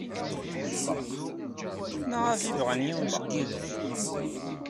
Maɣef ay bɣan yiwen seg widak?